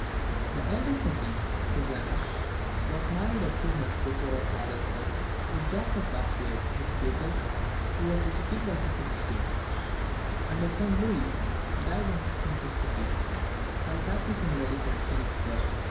The eldest of these, Susanna, was married a few months before her father's death to Jacob Bartschius, his pupil, who was educated as a physician; and his son Louis died in 1663, while practising medicine at Konigsberg.